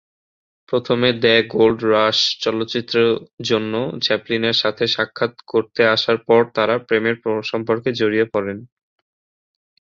প্রথমে "the gold rush" চলচ্চিত্রে জন্য চ্যাপলিনের সাথে সাক্ষাৎ করতে আসার পর তারা প্রেমের সম্পর্কে জড়িয়ে পড়েন।